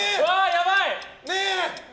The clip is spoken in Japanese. やばい！